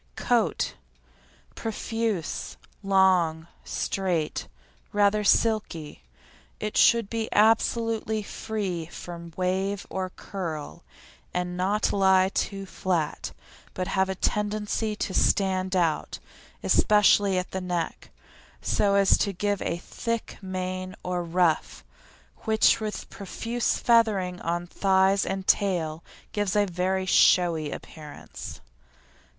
COAT Profuse, long, straight, rather silky. It should be absolutely free from wave or curl, and not lie too flat, but have a tendency to stand out, especially at the neck, so as to give a thick mane or ruff, which with profuse feathering on thighs and tail gives a very showy appearance.